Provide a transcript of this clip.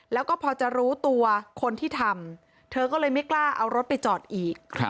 แล้วก็พอจะรู้ตัวคนที่ทำเธอก็เลยไม่กล้าเอารถไปจอดอีก